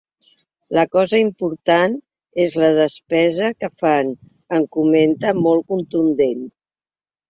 La cosa important és la despesa que fan, em comenta, molt contundent.